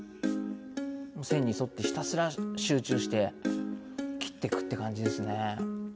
線に沿ってひたすら集中して切っていくって感じですね。